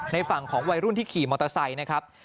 ในฝั่งของวัยรุ่นที่ขี่มอเตอร์ไซค์นะครับ